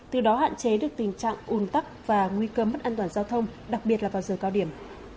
từ đó hạn chế được tình trạng ùn tắc và nguy cơ mất an toàn giao thông đặc biệt là vào giờ cao điểm